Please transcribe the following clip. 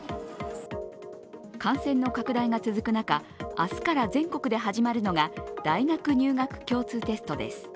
感染の拡大が続く中明日から全国で始まるのが大学入学共通テストです。